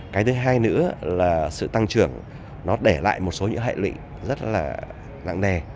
cái thứ hai nữa là sự tăng trưởng nó để lại một số những hệ lụy rất là nặng nề